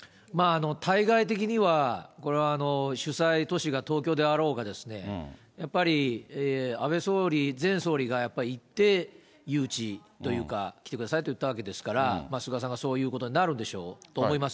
対外的にはこれは主催都市が東京であろうが、やっぱり安倍総理、前総理がやっぱりいて誘致というか、来てくださいと言ったわけですから、菅さんがそういうことになるでしょうと思います。